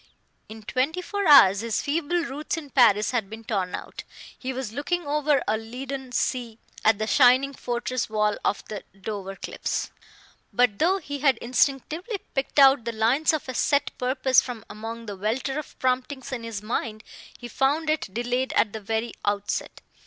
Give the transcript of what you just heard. In twenty four hours his feeble roots in Paris had been torn out. He was looking over a leaden sea at the shining fortress wall of the Dover cliffs. But though he had instinctively picked out the lines of a set purpose from among the welter of promptings in his mind, he found it delayed at the very outset.